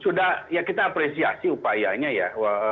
sudah ya kita apresiasi upayanya ya